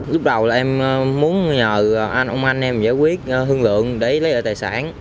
lúc đầu là em muốn nhờ anh ông anh em giải quyết hương lượng để lấy lại tài sản